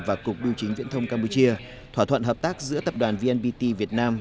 và cục biểu chính viễn thông campuchia thỏa thuận hợp tác giữa tập đoàn vnpt việt nam